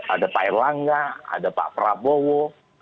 ada pak erlangga ada pak prabowo